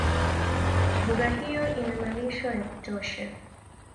Mbuga hiyo ina malisho ya kutosha